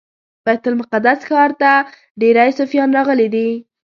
بیت المقدس ښار ته ډیری صوفیان راغلي دي.